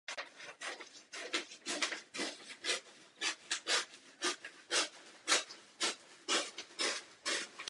Je zde k vidění historická kovárna nebo truhlářství.